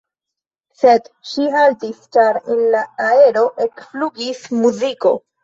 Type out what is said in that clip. Sed ŝi haltis, ĉar en la aero ekflugis muziko.